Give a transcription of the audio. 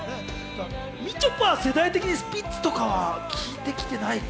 みちょぱは世代的にスピッツとかは聴いてきてないか。